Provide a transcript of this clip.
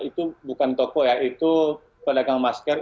itu bukan toko ya itu pedagang masker